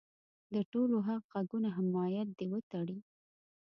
د ټولو هغه غږونو حمایت دې وتړي.